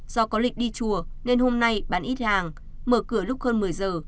do có lịch đi chùa nên hôm nay bán ít hàng mở cửa lúc hơn một mươi giờ